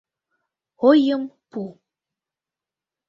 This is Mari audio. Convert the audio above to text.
Ойым пу.